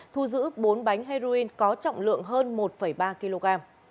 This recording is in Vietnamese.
thu giữ bốn bánh heroin có trọng lượng hơn một ba kg